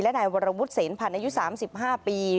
และนายวรวุฒิเศรษฐ์ผ่านอายุ๓๕ปี